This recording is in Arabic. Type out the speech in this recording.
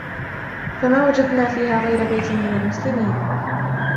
فَمَا وَجَدْنَا فِيهَا غَيْرَ بَيْتٍ مِنَ الْمُسْلِمِينَ